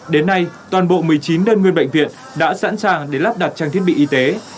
đến nay toàn bộ một mươi chín đơn nguyên bệnh viện đã sẵn sàng để lắp đặt trang thiết bị y tế